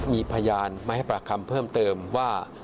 มีพยานมาให้ปากคำเพิ่มเติมว่า